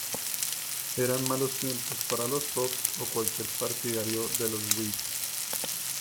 Eran malos tiempos para los Fox o cualquier partidario de los whigs.